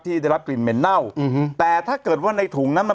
ได้รับกลิ่นเหม็นเน่าอืมแต่ถ้าเกิดว่าในถุงนั้นมัน